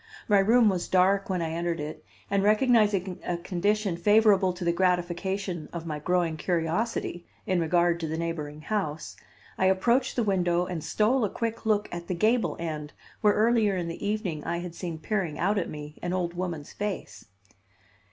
My room was dark when I entered it, and, recognizing a condition favorable to the gratification of my growing curiosity in regard to the neighboring house, I approached the window and stole a quick look at the gable end where, earlier in the evening I had seen peering out at me an old woman's face.